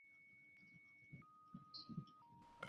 伟鬣兽的体型可以比美蒙古安氏中兽。